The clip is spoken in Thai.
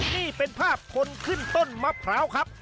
นี่เป็นภาพคนขึ้นต้นมะพร้าวครับ